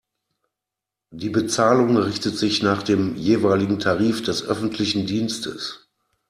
Die Bezahlung richtet sich nach dem jeweiligen Tarif des öffentlichen Dienstes.